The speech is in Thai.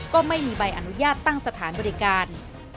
ก็ไม่มีใบอนุญาตตั้งสถานบริการ